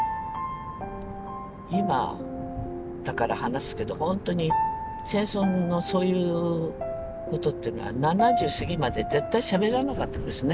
今だから話すけど本当に戦争のそういうことっていうのは７０過ぎまで絶対しゃべらなかったですね。